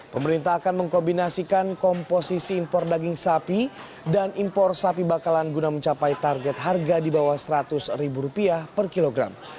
pemerintah akan mengkombinasikan komposisi impor daging sapi dan impor sapi bakalan guna mencapai target harga di bawah seratus ribu rupiah per kilogram